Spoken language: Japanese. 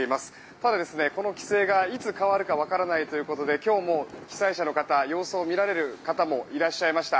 ただ、この規制がいつ変わるかわからないということで今日も被災者の方様子を見られる方もいらっしゃいました。